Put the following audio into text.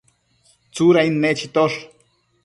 Tsudain nechitosh